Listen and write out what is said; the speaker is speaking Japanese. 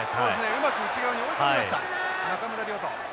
うまく内側に追い込みました中村亮土。